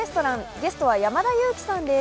ゲストは山田裕貴さんです。